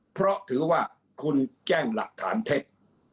เพราะถือว่าคุณแจ้งหลักฐานเท็จ